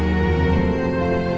ibu di mana